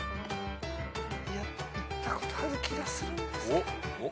行ったことある気がするんですけど。